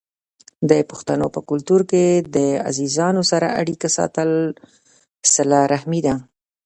د پښتنو په کلتور کې د عزیزانو سره اړیکه ساتل صله رحمي ده.